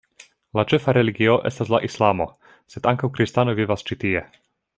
La ĉefa religio estas la islamo, sed ankaŭ kristanoj vivas ĉi tie.